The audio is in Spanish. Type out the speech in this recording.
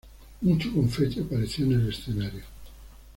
Mucho confeti apareció en el escenario.